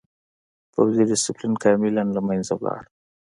پوځي ډسپلین کاملاً له منځه لاړ.